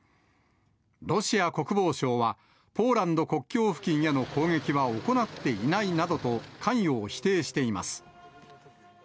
ロシア国防省は、ポーランド国境付近への攻撃は行っていないなどと関与を否定しています。